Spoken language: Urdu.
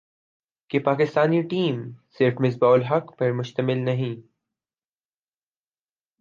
کہ پاکستانی ٹیم صرف مصباح الحق پر مشتمل نہیں